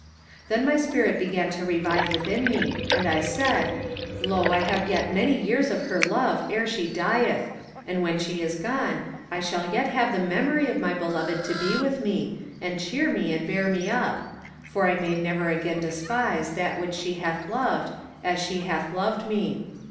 "'Then my spirit began again to revive within me, and I said, Lo! I have yet many years of her love ere she dieth, and when she is gone, I shall yet have the memory of my beloved to be with me, and cheer me, and bear me up, for I may never again despise that which she hath loved as she hath loved me.